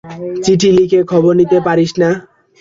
চিঠি লিখে খবর নিতে পারিস না?